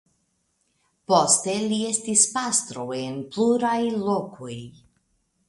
Poste li estis pastro en pluraj lokoj.